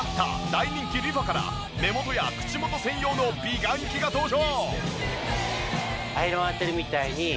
大人気ＲｅＦａから目元や口元専用の美顔器が登場！